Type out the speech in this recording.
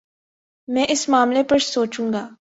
میں اس معاملے پر سوچوں گا